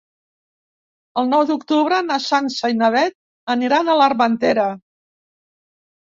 El nou d'octubre na Sança i na Beth aniran a l'Armentera.